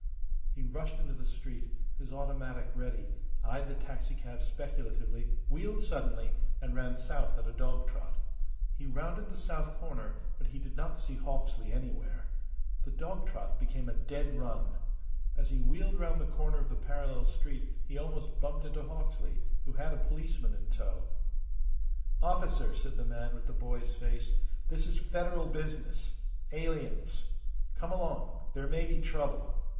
He rushed into the street, his automatic ready, eyed the taxicab speculatively, wheeled suddenly, and ran south at a dog trot. He rounded the south corner, but he did not see Hawksley anywhere. The dog trot became a dead run. As he wheeled round the corner of the parallel street he almost bumped into Hawksley, who had a policeman in tow. "Officer," said the man with the boy's face, "this is Federal business. Aliens. Come along. There may be trouble.